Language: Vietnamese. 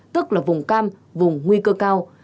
tức là vùng cam vùng nguy cơ cao